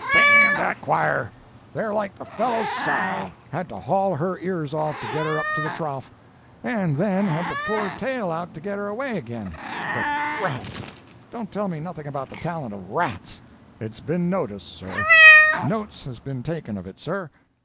] "D—n that choir! They're like the fellow's sow—had to haul her ears off to get her up to the trough, and then had to pull her tail out to get her away again. But rats!—don't tell me nothing about the talent of rats! It's been noticed, sir!—notes has been taken of it, sir!